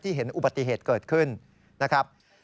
เห็นอุบัติเหตุเกิดขึ้นนะครับ